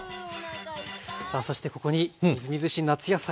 さあそしてここにみずみずしい夏野菜をご用意しました。